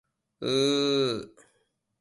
想おもい出で巡めぐらせ